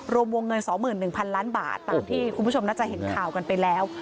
รวมวงเงิน๒๑๐๐๐ล้านบาทตามที่คุณผู้ชมน่าจะเห็นข่าวกันไปแล้ว